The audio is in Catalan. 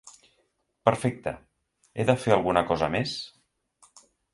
Perfecte, he de fer alguna cosa més?